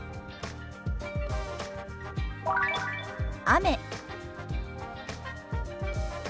雨。